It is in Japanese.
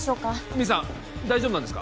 ミンさん大丈夫なんですか？